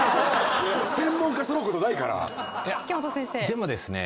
でもですね